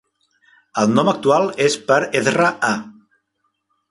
El nom actual és per Ezra A.